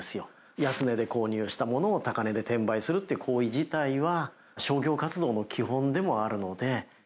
安値で購入したものを、高値で転売するという行為自体は、商業活動の基本でもあるので。